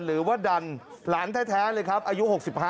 หรือว่าดันหลานแท้เลยครับอายุ๖๕